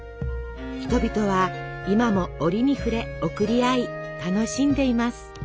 人々は今も折に触れ贈り合い楽しんでいます。